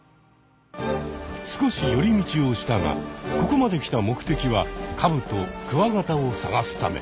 少し寄り道をしたがここまで来た目的はカブトクワガタを探すため。